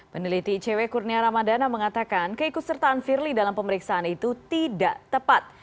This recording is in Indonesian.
peneliti icw kurnia ramadana mengatakan keikutsertaan firly dalam pemeriksaan itu tidak tepat